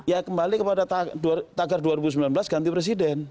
ya kembali kepada tagar dua ribu sembilan belas ganti presiden